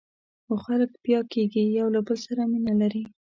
خو خلک بیا کېږي، یو له بل سره مینه لري.